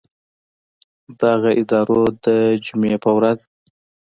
دغه ادارو د جمعې په ورځ